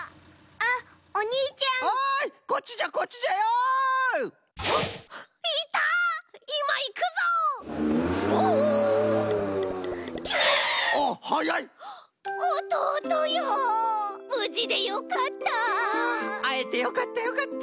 あああえてよかったよかった。